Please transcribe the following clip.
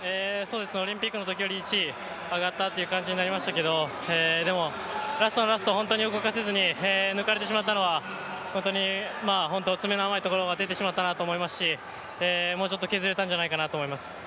オリンピックのときより１位上がったという感じになりましたけど、でもラストのラスト、本当に動かせずに抜かれてしまったのは詰めの甘いところで出てしまったなと思いますしもうちょっと削れたんじゃないかなと思います。